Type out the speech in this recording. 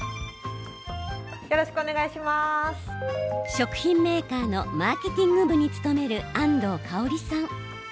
食品メーカーのマーケティング部に勤める安東芳理さん。